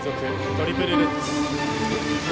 トリプルルッツ。